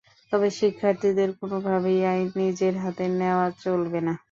তবে শিক্ষার্থীদের কোনোভাবেই আইন নিজের হাতে নেওয়া চলবে না।